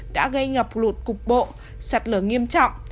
đã gây ngập lụt cục bộ sạt lở nghiêm trọng